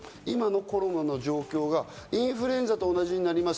今のコロナの状況がインフルエンザと同じになります